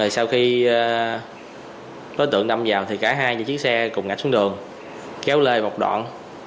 sau khi đối tượng đâm vào cả hai chiếc xe cùng ngã xuống đường kéo lê một đoạn